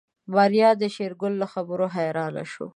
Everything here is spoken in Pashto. ماريا د شېرګل له خبرو حيرانه شوه.